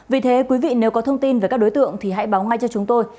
vì thế quý vị nếu có thông tin về các đối tượng thì hãy báo ngay cho chúng tôi